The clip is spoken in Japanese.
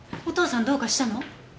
お父さんどうかしたの？